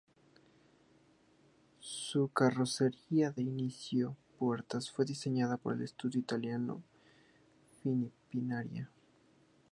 Su carrocería de cinco puertas fue diseñada por el estudio italiano Pininfarina.